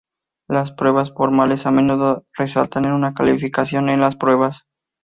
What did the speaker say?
Las pruebas formales a menudo resultan en una calificación en las pruebas.